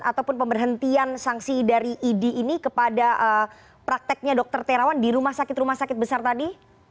ataupun pemberhentian sanksi dari idi ini kepada prakteknya dr terawan di rumah sakit rumah sakit besar tadi